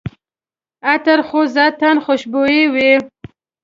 عطر خو ذاتاً خوشبویه وي.